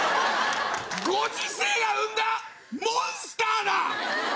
ご時世が生んだモンスターだ！